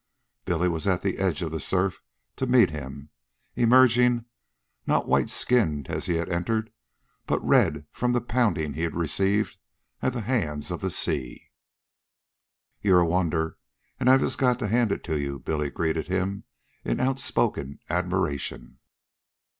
Billy was at the edge of the surf to meet him, emerging, not white skinned as he had entered, but red from the pounding he had received at the hands of the sea. "You're a wonder, and I just got to hand it to you," Billy greeted him in outspoken admiration.